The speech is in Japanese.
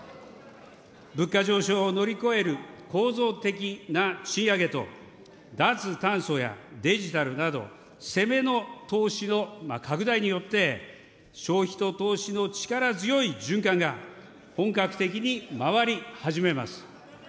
物価上昇を乗り越える構造的な賃上げと、脱炭素やデジタルなど、攻めの投資の拡大によって、消費と投資の力強い循環が本格的に回り始めます。